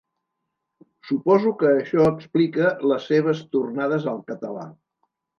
Suposo que això explica les seves tornades al català.